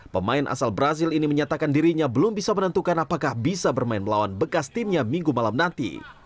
pemain asal brazil ini menyatakan dirinya belum bisa menentukan apakah bisa bermain melawan bekas timnya minggu malam nanti